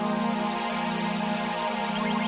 selamat bekerja ye